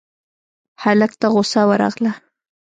هلک ته غوسه ورغله: